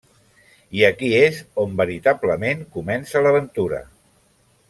I aquí és on veritablement comença l'aventura.